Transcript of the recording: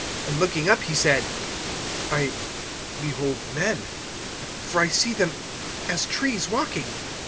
(24)And looking up he said: I behold men; for I see them as trees walking.